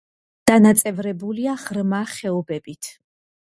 დანაწევრებულია ღრმა ხეობებით.